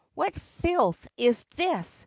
' What filth is this ?